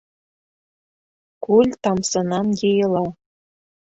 Күл тамсынан йыйыла.